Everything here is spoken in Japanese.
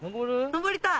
上りたい！